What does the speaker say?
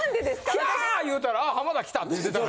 キャー言うたらあ浜田来たって言ってた。